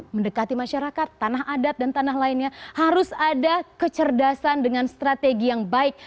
mendekati masyarakat tanah adat dan tanah lainnya harus ada kecerdasan dengan strategi yang baik